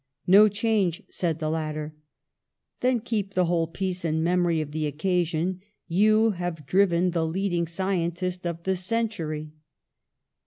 "No change," said the latter. "Then keep the whole piece in memory of the occasion; you have driven the leading sci entist of the century."